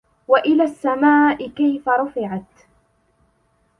وَإِلَى السَّمَاءِ كَيْفَ رُفِعَتْ